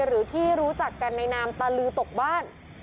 หรือที่รู้จักกันในนามตะลือตกบ้าน